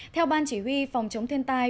theo ban chỉ huy phòng chống thiên tai